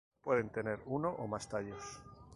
Pueden tener uno o más tallos.